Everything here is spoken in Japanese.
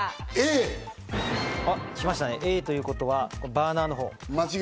Ａということはバーナーのほう。